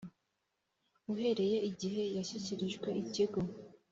uhereye igihe yashyikiririjwe ikigo